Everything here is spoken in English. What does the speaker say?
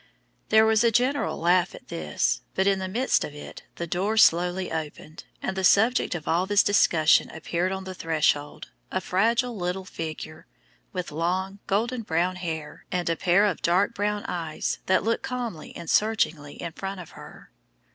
There was a general laugh at this, but in the midst of it the door slowly opened, and the subject of all this discussion appeared on the threshold, a fragile little figure, with long, golden brown hair, and a pair of dark brown eyes that looked calmly and searchingly in front of her.